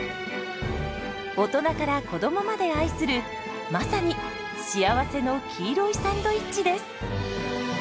大人から子どもまで愛するまさに「幸せの黄色いサンドイッチ」です。